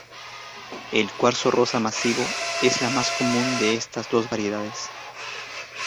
El cuarzo rosa masivo es la más común de estas dos variedades.